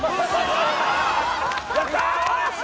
やったー！